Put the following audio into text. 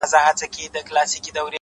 يې ه ځكه مو په شعر كي ښكلاگاني دي،